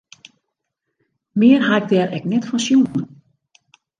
Mear ha ik dêr ek net fan sjoen.